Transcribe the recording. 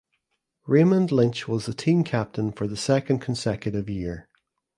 Raymond Lynch was the team captain for the second consecutive year.